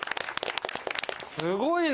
すごいな。